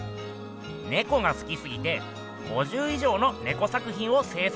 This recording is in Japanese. ネコがすきすぎて５０以上のネコ作品を制作したっす。